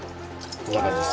こんな感じです。